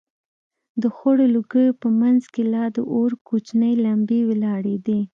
د خړو لوگيو په منځ کښې لا د اور کوچنۍ لمبې ولاړېدې.